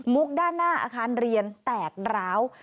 ด้านหน้าอาคารเรียนแตกร้าว